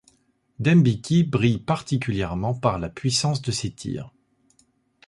Dembicki brille particulièrement par la puissance de ses tirs.